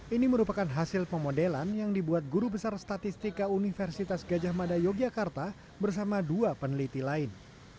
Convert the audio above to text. ini merupakan hasil pemodelan yang dibuat guru besar statistika universitas gajah mada yogyakarta bersama dua peneliti lain